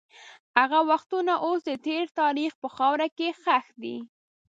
هغه وختونه اوس د تېر تاریخ په خاوره کې ښخ دي.